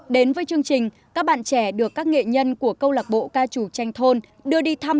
đến với chương trình các bạn trẻ được các nghệ nhân của câu lạc bộ ca trù tranh thôn đưa đi thăm